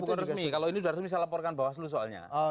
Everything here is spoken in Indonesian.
itu bukan resmi kalau ini sudah resmi saya laporkan bawah seluruh soalnya